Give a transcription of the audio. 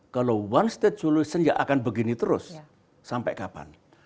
kalau one sted solution akan begini terus sampai kapan